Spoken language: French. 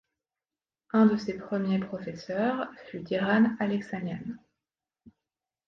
Un de ses premiers professeurs fut Diran Alexanian.